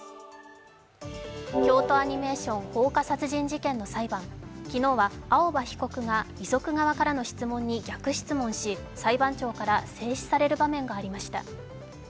京都アニメーション放火殺人事件の裁判、昨日は青葉被告が遺族側からの質問に逆質問し裁判長から制止される場面がありました。